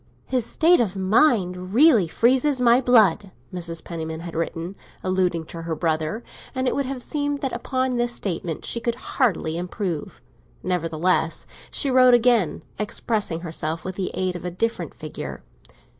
"His state of mind really freezes my blood," Mrs. Penniman had written, alluding to her brother; and it would have seemed that upon this statement she could hardly improve. Nevertheless, she wrote again, expressing herself with the aid of a different figure.